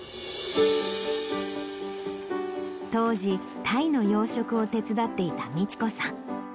当時タイの養殖を手伝っていた満子さん。